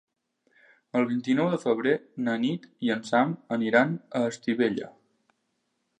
El vint-i-nou de febrer na Nit i en Sam aniran a Estivella.